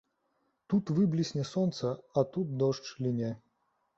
Тут выблісне сонца, а тут дождж ліне.